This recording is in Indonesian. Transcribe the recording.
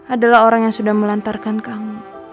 adalah orang yang sudah melantarkan kamu